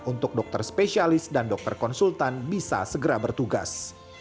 untuk dokter spesialis dan dokter konsultan bisa segera bertugas